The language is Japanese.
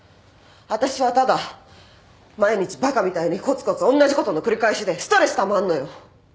私はただ毎日バカみたいにコツコツおんなじことの繰り返しでストレスたまんのよ。